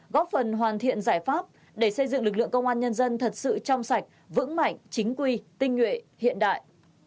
góp phần hoàn thiện giải pháp để xây dựng lực lượng công an nhân dân thật sự trong sạch vững mạnh chính quy tinh nguyện hiện đại